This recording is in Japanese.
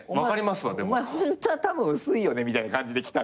お前ホントはたぶん薄いよねみたいな感じできたから。